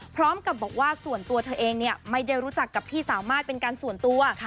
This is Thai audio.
พร้อมกับบอกว่าส่วนตัวเธอเองไม่ได้รู้จักกับพี่สามารถเป็นการส่วนตัว